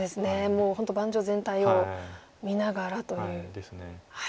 もう本当盤上全体を見ながらという。